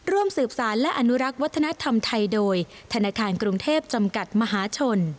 ร่วมสืบสารและอนุรักษ์วัฒนธรรมไทยโดยธนาคารกรุงเทพจำกัดมหาชน